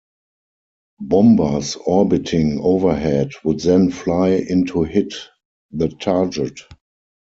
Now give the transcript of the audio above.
Bombers orbiting overhead would then fly in to hit the target.